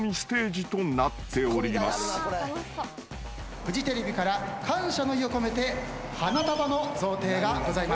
フジテレビから感謝の意を込めて花束の贈呈がございます。